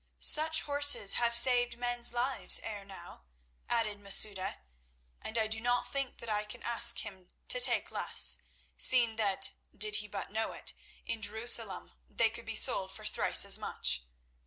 "Such horses have saved men's lives ere now," added Masouda, "and I do not think that I can ask him to take less, seeing that, did he but know it, in Jerusalem they could be sold for thrice as much.